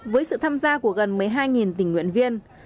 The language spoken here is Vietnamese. với sự tham gia của gần một mươi hai tình nguyện viên